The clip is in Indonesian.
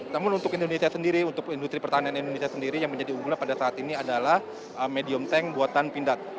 namun untuk indonesia sendiri untuk industri pertahanan indonesia sendiri yang menjadi unggulan pada saat ini adalah medium tank buatan pindad